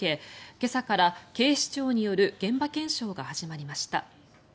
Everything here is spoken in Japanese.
今朝から警視庁による現場検証が始まりました。